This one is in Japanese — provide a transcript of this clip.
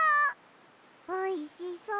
おいしそう。